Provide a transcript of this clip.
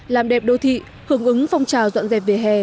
làm đẹp đô thị hưởng ứng phong trào dọn dẹp vệ hè